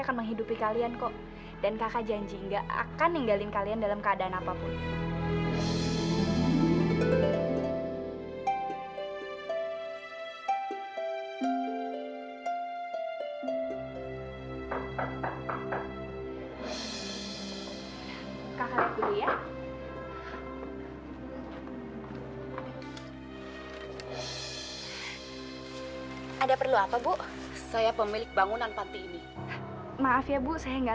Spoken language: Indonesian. akhirnya saya bisa tinggal di rumah ini dengan tenang